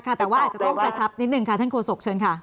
แต่ว่าอาจจะต้องกระชับนิดนึงค่ะท่านโฆษกเชิญค่ะ